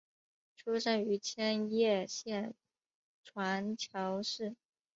出身于千叶县船桥市。